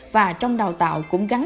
và trong đào tạo cũng gắn